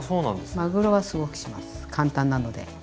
まぐろはすごくします簡単なので。